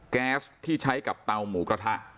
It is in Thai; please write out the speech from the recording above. แก๊สที่ใช้กับเตาหมูกระทะ